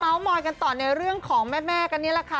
มอยกันต่อในเรื่องของแม่กันนี่แหละค่ะ